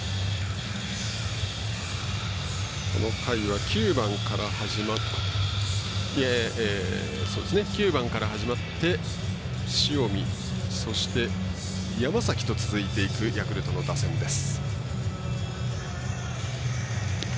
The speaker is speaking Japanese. この回は９番から始まって塩見、そして山崎とつづいていくヤクルトの打線です。